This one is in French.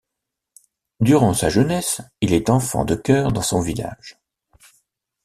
Durant sa jeunesse, il est enfant de chœur dans son village.